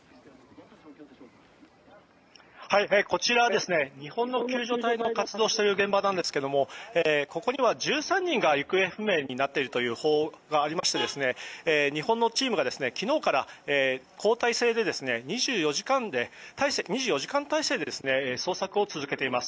こちら、日本の救助隊が活動している現場ですがここには１３人が行方不明になっているという報道がありまして日本のチームが昨日から交代制で２４時間態勢で捜索を続けています。